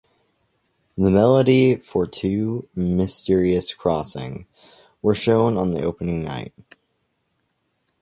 Melody for Two and Mysterious Crossing were shown on the opening night.